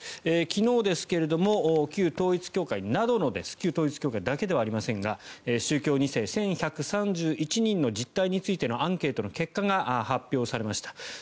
昨日ですが旧統一教会などの旧統一教会だけではありませんが宗教２世１１３１人の実態についてのアンケートの結果が発表されました。